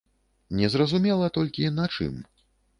Незразумела толькі, на чым.